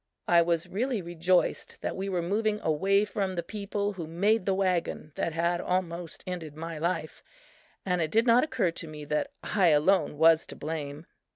I was really rejoiced that we were moving away from the people who made the wagon that had almost ended my life, and it did not occur to me that I alone was to blame.